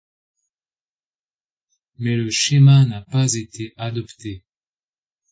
Mais le schéma n'a pas été adopté.